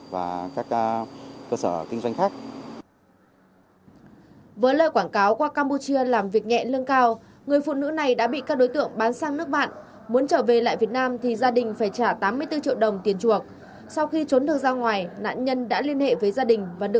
và các cơ sở kinh doanh có địa kiện như karaoke quán bar và các cơ sở kinh doanh có địa kiện như karaoke quán bar